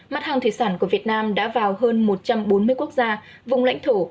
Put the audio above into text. mặt hàng thủy sản của việt nam đã vào hơn một trăm bốn mươi quốc gia vùng lãnh thổ